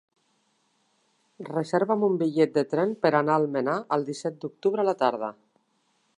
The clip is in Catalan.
Reserva'm un bitllet de tren per anar a Almenar el disset d'octubre a la tarda.